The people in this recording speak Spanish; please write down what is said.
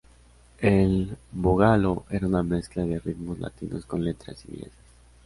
El boogaloo era una mezcla de ritmos latinos con letras inglesas.